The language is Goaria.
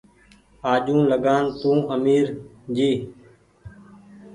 آجوٚنٚ لگآن تو آمير ڇي